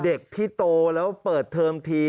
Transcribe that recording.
เด็กที่โตแล้วเปิดเทอมที